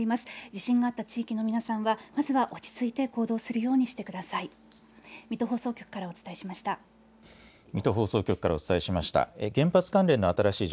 地震があった地域の皆さんは、まずは落ち着いて行動するようにしてください。